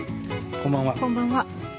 こんばんは。